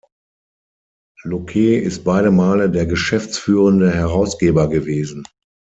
Luce ist beide Male der geschäftsführende Herausgeber gewesen.